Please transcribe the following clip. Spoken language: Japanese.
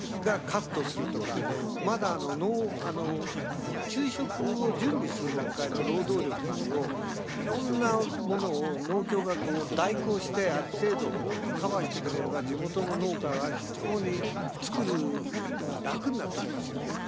カットするとかまだ給食を準備する段階の労働力をいろんなものを農協が代行してある程度カバーしてくれれば地元の農家が非常に作るのが楽になってきますよね。